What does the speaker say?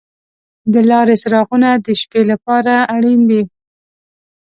د لارې څراغونه د شپې لپاره اړین دي.